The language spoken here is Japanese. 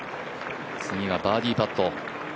次がバーディーパット。